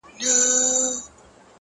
خاونده زور لرم خواږه خو د يارۍ نه غواړم.